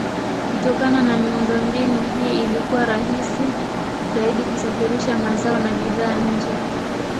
Kutokana na miundombinu hii ilikuwa rahisi zaidi kusafirisha mazao na bidhaa nje.